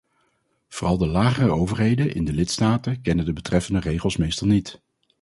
Vooral de lagere overheden in de lidstaten kennen de betreffende regels meestal niet.